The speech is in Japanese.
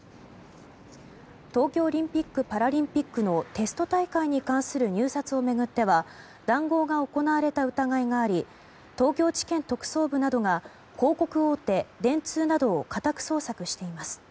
東京オリンピック・パラリンピックのテスト大会に関する入札を巡っては談合が行われた疑いがあり東京地検特捜部などが広告大手・電通などを家宅捜索しています。